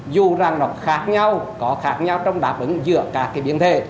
dù rằng nó khác nhau có khác nhau trong đáp ứng giữa các cái biến thể